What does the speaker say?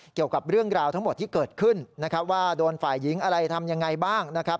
เกี่ยวกับเรื่องราวทั้งหมดที่เกิดขึ้นนะครับว่าโดนฝ่ายหญิงอะไรทำยังไงบ้างนะครับ